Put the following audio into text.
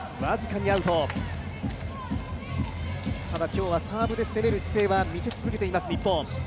今日はサーブで攻める姿勢を見せ続けています。